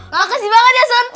makasih banget ya sun